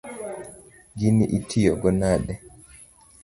Gini itiyo go nade?